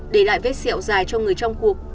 để lại vết xẹo dài cho người trong cuộc